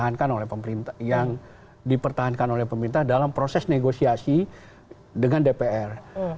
yang dipertahankan oleh pemerintah dalam proses negosiasi dengan dpr